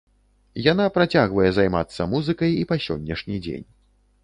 Яна працягвае займацца музыкай і па сённяшні дзень.